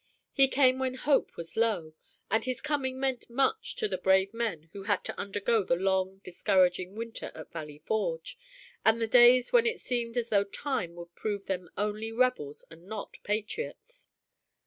He came when hope was low, and his coming meant much to the brave men who had to undergo the long, discouraging winter at Valley Forge, and the days when it seemed as though time would prove them only rebels and not patriots.